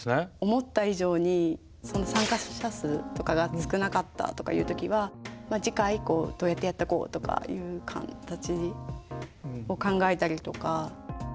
思った以上に参加者数とかが少なかったとかいう時は次回以降どうやってやってこうとかいう形を考えたりとか。